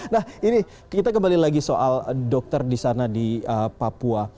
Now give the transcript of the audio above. nah ini kita kembali lagi soal dokter di sana di papua